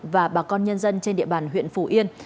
và bà con nhân dân trên địa bàn huyện phủ yên